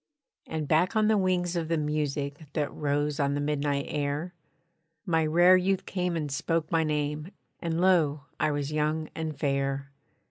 And back on the wings of the music That rose on the midnight air, My rare youth came and spoke my name, And lo! I was young and fair.